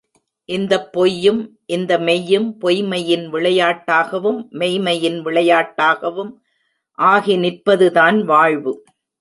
இந்தப் பொய்யும் இந்த மெய்யும் பொய்ம்மையின் விளையாட்டாகவும், மெய்ம்மையின் விளையாட்டாகவும் ஆகி நிற்பதுதான் வாழ்வு.